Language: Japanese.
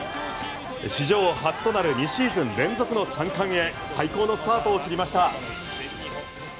史上初となる２シーズン連続の３冠へ最高のスタートを切りました。